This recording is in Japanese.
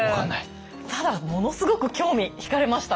ただものすごく興味ひかれましたね。